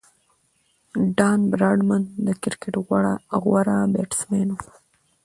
ډان براډمن د کرکټ غوره بیټسمېن وو.